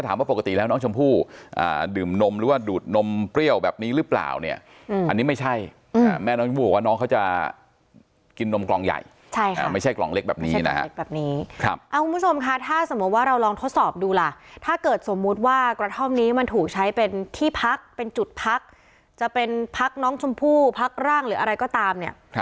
ปกติแล้วน้องชมพู่ดื่มนมหรือว่าดูดนมเปรี้ยวแบบนี้หรือเปล่าเนี่ยอันนี้ไม่ใช่แม่น้องชมพู่บอกว่าน้องเขาจะกินนมกล่องใหญ่ใช่ค่ะไม่ใช่กล่องเล็กแบบนี้นะฮะคุณผู้ชมค่ะถ้าสมมุติว่าเราลองทดสอบดูล่ะถ้าเกิดสมมุติว่ากระท่อมนี้มันถูกใช้เป็นที่พักเป็นจุดพักจะเป็นพักน้องชมพู่พักร่างหรืออะไรก็ตามเนี่ย